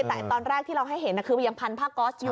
แต่ตอนแรกที่เราให้เห็นคือมันยังพันผ้าก๊อสอยู่